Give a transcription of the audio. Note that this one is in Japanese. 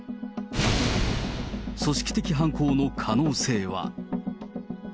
組織的犯行の可能性は。